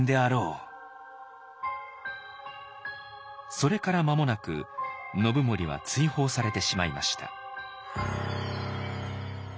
それから間もなく信盛は追放されてしまいました。